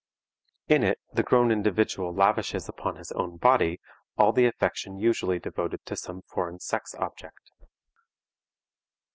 In it the grown individual lavishes upon his own body all the affection usually devoted to some foreign sex object.